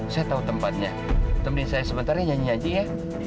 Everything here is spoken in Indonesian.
saya tahu tempatnya temenin saya sebentar ya nyanyi nyanyi ya